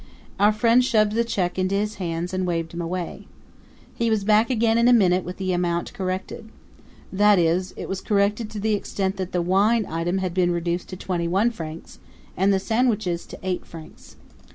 Our friend shoved the check into his hands and waved him away. He was back again in a minute with the account corrected. That is, it was corrected to the extent that the wine item had been reduced to twenty one francs and the sandwiches to eight francs.